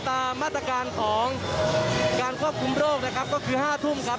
ตามมาตรการของการควบคุมโรคนะครับก็คือ๕ทุ่มครับ